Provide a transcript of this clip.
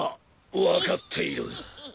分かっている。